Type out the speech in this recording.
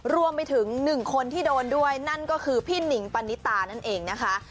รวมไปถึง๑คนที่โดนด้วยนั่นก็คือพี่หนิงปณิตานั่นเองนะคะ